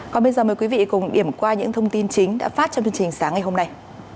còn bây giờ mời quý vị cùng điểm qua những thông tin chính đã phát trong chương trình sáng ngày hôm nay